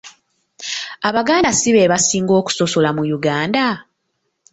Abaganda si be basinga okusosola mu Uganda?